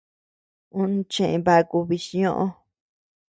Ú cheʼë baku bichñoʼö.